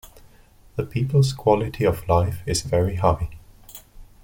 The people's quality of life is very high.